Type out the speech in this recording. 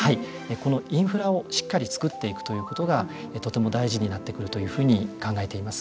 このインフラをしっかり作っていくということがとても大事になってくるというふうに考えています。